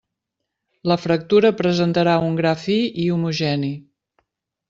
La fractura presentarà un gra fi i homogeni.